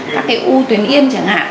các cái u tuyến yên chẳng hạn